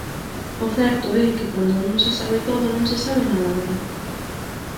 O certo é que cando non se sabe todo non se sabe nada ben.